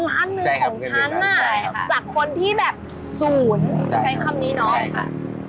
ใช่ค่ะใช่ครับมือร้านของฉันน่ะจากคนที่แบบศูนย์ใช่คำนี้เนอะใช่ค่ะ